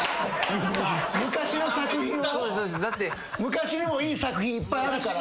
昔のもいい作品いっぱいあるから？